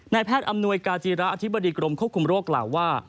แพทย์อำนวยกาจีระอธิบดีกรมควบคุมโรคกล่าวว่า